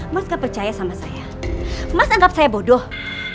mas gak percaya sama saya mas anggap saya bodoh keterlaluan banget sih mas